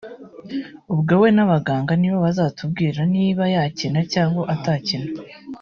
ubwo we n’abaganga nibo bazatubwira niba yakina cyangwa atakina